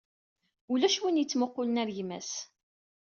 Ulac win yettmuqulen ɣer gma-s.